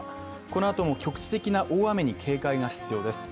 このあとも局地的な大雨に警戒が必要です。